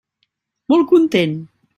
Molt content.